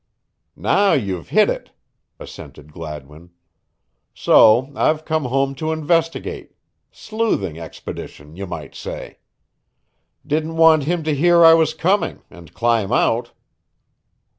"Now you've hit it," assented Gladwin. "So I've come home to investigate sleuthing expedition, you might say. Didn't want him to hear I was coming and climb out.